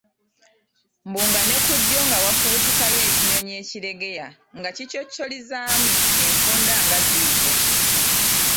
Mbu nga ne ku ddyo nga wafubutukayo ekinyonyi ekiregeya nga kicocolizaamu enfunda nga ziizo.